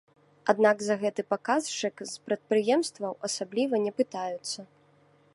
Аднак за гэты паказчык з прадпрыемстваў асабліва не пытаюцца.